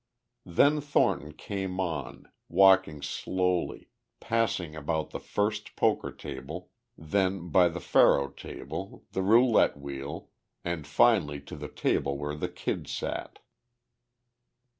Then Thornton came on, walking slowly, passing about the first poker table, then by the faro table, the roulette wheel, and finally to the table where the Kid sat.